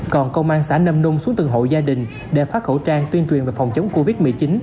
còn công an xã nâm nung xuống từng hộ gia đình để phát khẩu trang tuyên truyền về phòng chống covid một mươi chín